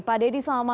pak dedy selamat malam